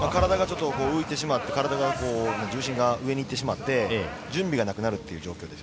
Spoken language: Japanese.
体が浮いてしまって体の重心が上に行ってしまって準備がなくなるという状況です。